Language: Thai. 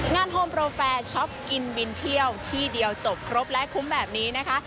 โฮมโปรแฟร์ช็อปกินบินเที่ยวที่เดียวจบครบและคุ้มแบบนี้นะคะ